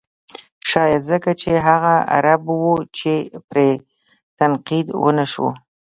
شاید ځکه چې هغه عرب و چې پرې تنقید و نه شو.